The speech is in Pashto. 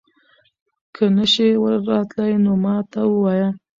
که نه شې راتلی نو ما ته ووايه